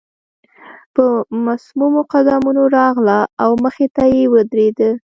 په مصممو قدمونو راغله او مخې ته يې ودرېده.